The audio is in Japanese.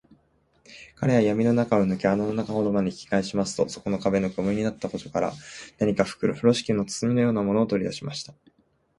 彼はやみの中を、ぬけ穴の中ほどまで引きかえしますと、そこの壁のくぼみになった個所から、何かふろしき包みのようなものを、とりだしました。